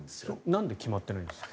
なんで決まっていないんですか？